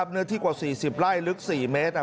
เนื้อที่กว่า๔๐ไร่ลึก๔เมตร